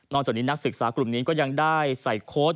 จากนี้นักศึกษากลุ่มนี้ก็ยังได้ใส่โค้ด